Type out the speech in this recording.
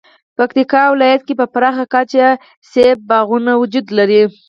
پکتیکا ولایت کې په پراخه کچه مڼو باغونه وجود لري